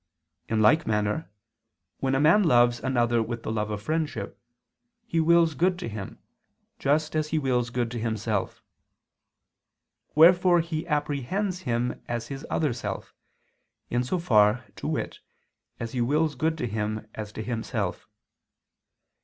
In like manner when a man loves another with the love of friendship, he wills good to him, just as he wills good to himself: wherefore he apprehends him as his other self, in so far, to wit, as he wills good to him as to himself.